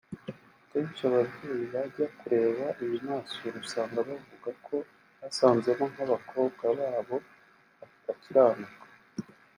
Akenshi ababyeyi bajya kureba ibimansuro usanga bavuga ko basanzemo nk’abakobwa babo batakiranuka